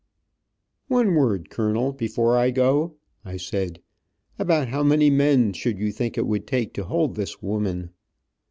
"One word, colonel, before I go," I said. "About how many men should you think it would take to hold this woman?